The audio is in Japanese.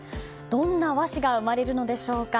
どんな和紙が生まれるのでしょうか。